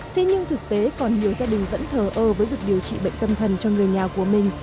thế nhưng thực tế còn nhiều gia đình vẫn thờ ơ với việc điều trị bệnh tâm thần cho người nhà của mình